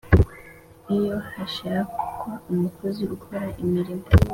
iyo hashakwa umukozi ukora imirimo